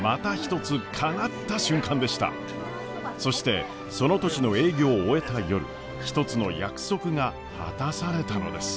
そしてその年の営業を終えた夜一つの約束が果たされたのです。